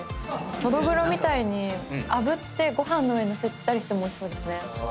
ノドグロみたいにあぶってご飯の上に載せたりしてもおいしそうですね。